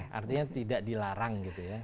artinya tidak dilarang gitu ya